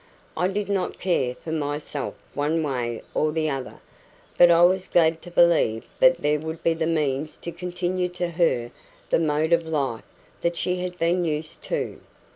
I did not care for myself one way or the other, but I was glad to believe that there would be the means to continue to her the mode of life that she had been used to.